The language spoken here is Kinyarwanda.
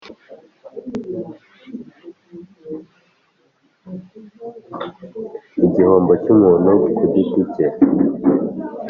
igihombo cy umuntu ku giti cye